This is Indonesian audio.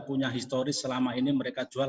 punya historis selama ini mereka jual